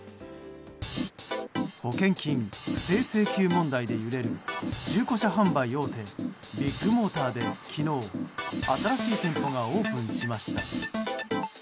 保険金不正請求問題で揺れる中古車販売大手ビッグモーターで昨日、新しい店舗がオープンしました。